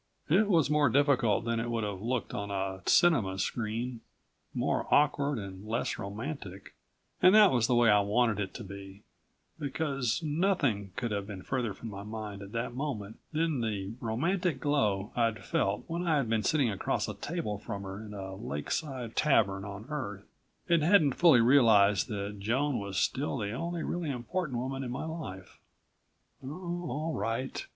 It was more difficult than it would have looked on a cinema screen more awkward and less romantic, and that was the way I wanted it to be, because nothing could have been further from my mind at that moment than the romantic glow I'd felt when I had been sitting across a table from her in a lakeside tavern on Earth, and hadn't fully realized that Joan was still the only really important woman in my life. Oh, all right.